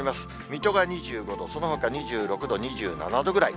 水戸が２５度、そのほか２６度、２７度ぐらい。